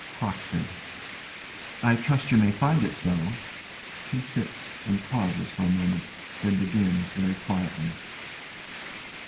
CROCKSTEAD. I trust you may find it so. [_He sits, and pauses for a moment, then begins, very quietly.